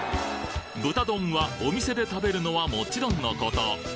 「豚丼」はお店で食べるのはもちろんの事